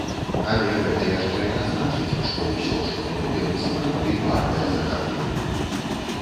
Але гэта яшчэ не значыць, што ўсё, што мы робім, сапраўды вартае захаплення.